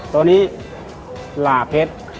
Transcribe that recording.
ตัวนี้หลาเพชร